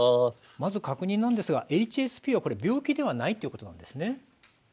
まず確認なんですがＨＳＰは病気ではないんですね。